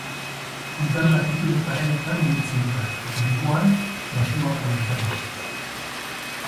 Udan latitude garaietan biltzen da, eta neguan baxuagoetan.